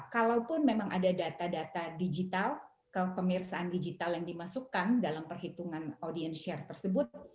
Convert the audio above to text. kalaupun memang ada data data digital kepemirsaan digital yang dimasukkan dalam perhitungan audienshare tersebut